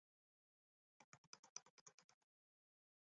他们都指控车路士牵涉这次绑架米基尔的行动中。